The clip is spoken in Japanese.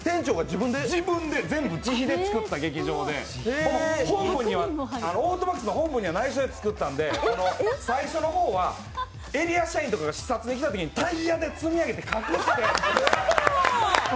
自分で全部、自費で作った劇場で、オートバックスの本部には内緒で作ったんで最初の方はエリア社員とかが視察で来たときにタイヤで隠してた。